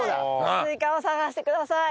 スイカを探してください。